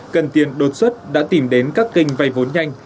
cần tiền đột xuất đã tìm đến các kênh vay vốn nhanh